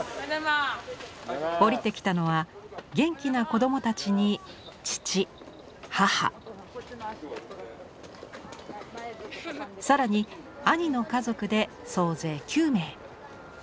降りてきたのは元気な子どもたちに父母更に兄の家族で総勢９名。